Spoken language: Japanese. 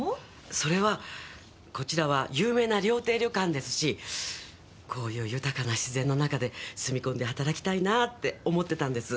それはこちらは有名な料亭旅館ですしこういう豊かな自然の中で住み込みで働きたいなぁって思ってたんです